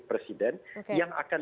presiden yang akan